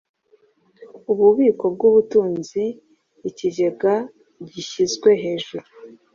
ububiko bwubutunzi Ikigega gishyizwe hejuru